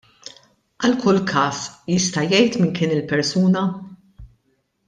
Għal kull każ jista' jgħid min kien il-persuna?